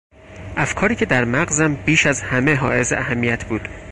افکاری که در مغزم بیش از همه حایز اهمیت بود.